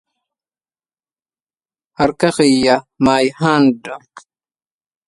أتاني عتاب من أخ فاغتفرته